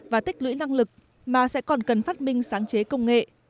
và tích lũy năng lực mà sẽ còn cần phát minh sáng chế công nghệ